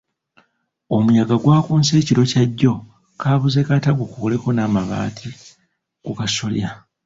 Omuyaga gwakunse ekiro kya jjo kaabuze kata gukuuleko n’amabaati ku kasolya.